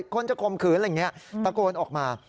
คนจะข่มขืนอะไรอย่างนี้ตะโกนออกมา